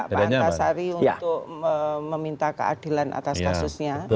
pak antasari untuk meminta keadilan atas kasusnya